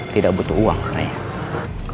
tidak butuh uang sebenarnya